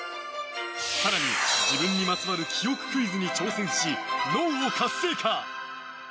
更に、自分にまつわる記憶クイズに挑戦し脳を活性化。